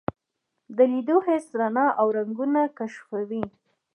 د لیدو حس رڼا او رنګونه کشفوي.